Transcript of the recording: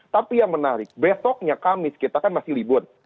tapi yang menarik besoknya kamis kita kan masih libur